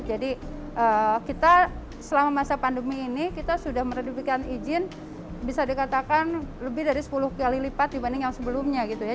jadi kita selama masa pandemi ini kita sudah meredupkan izin bisa dikatakan lebih dari sepuluh kali lipat dibanding yang sebelumnya gitu ya